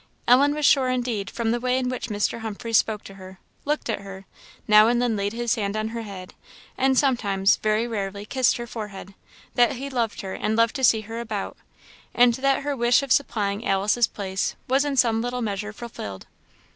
Ellen was sure, indeed, from the way in which Mr. Humphreys spoke to her, looked at her, now and then laid his hand on her head, and sometimes, very rarely, kissed her forehead, that he loved her and loved to see her about; and that her wish of supplying Alice's place was in some little measure fulfilled.